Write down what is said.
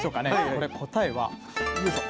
これ答えはよいしょ。